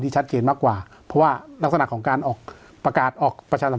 ก็จะได้ความสนใจ